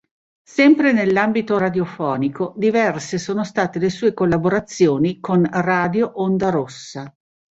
Sempre nell'ambito radiofonico, diverse sono state le sue collaborazioni con Radio Onda Rossa.